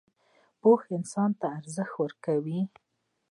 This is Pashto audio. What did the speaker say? پوهه انسان ته ارزښت ورکوي